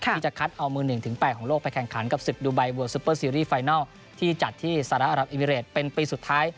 ที่จะคัดเอามือ๑๘ของโลกไปแข่งขันกับศึกดูไบเวอร์ซุปเปอร์ซีรีส์ไฟนัลที่จัดที่สหรัฐอรับอิมิเรตเป็นปีสุดท้าย